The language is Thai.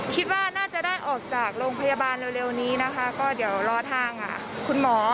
คิดว่าน่าจะได้ออกจากโรงพยาบาลเร็วนี้นะคะก็เดี๋ยวรอทางคุณหมอ